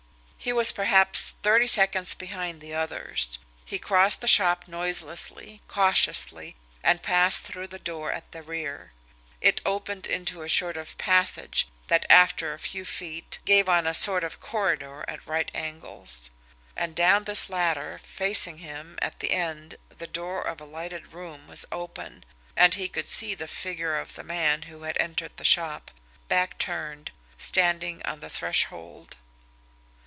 He was, perhaps, thirty seconds behind the others. He crossed the shop noiselessly, cautiously, and passed through the door at the rear. It opened into a short passage that, after a few feet, gave on a sort of corridor at right angles and down this latter, facing him, at the end, the door of a lighted room was open, and he could see the figure of the man who had entered the shop, back turned, standing on the threshold.